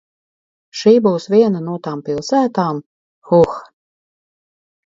Šī būs viena no tām pilsētām, huh?